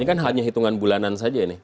ini kan hanya hitungan bulanan saja ini